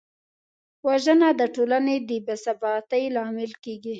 وژنه د ټولنې د بېثباتۍ لامل کېږي